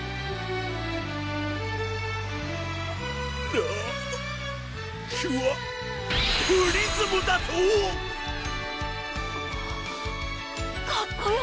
なキュアプリズムだと⁉かっこよ！